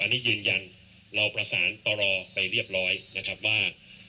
อันนี้ยืนยันเราประสานปรไปเรียบร้อยนะครับว่า